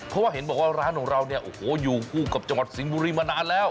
เพราะเห็นบอกว่าร้านของเราอยู่กับจังหวัดสิงบุรีมานานแล้ว